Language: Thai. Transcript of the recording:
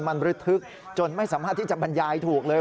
มันระทึกจนไม่สามารถที่จะบรรยายถูกเลย